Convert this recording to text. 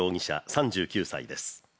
３９歳です